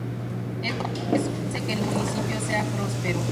Eso hace que el municipio sea prospero.